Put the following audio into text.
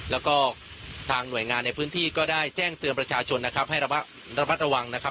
แล้วก็ทางหน่วยงานในพื้นที่ก็ได้แจ้งเตือนประชาชนนะครับให้ระมัดระวังนะครับ